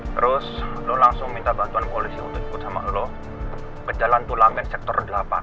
terus lo langsung minta bantuan polisi untuk ikut sama lo ke jalan tulangin sektor delapan